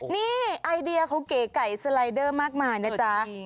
นี่ไอเดียเขาเก๋ไก่สไลเดอร์มากมายนะจ๊ะ